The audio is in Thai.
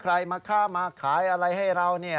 ใครมาฆ่ามาขายอะไรให้เรา